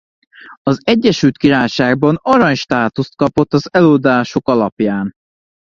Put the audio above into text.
Az Egyesült Királyságban arany státuszt kapott az eladások alapján.